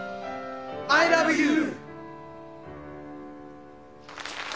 アイラブユー！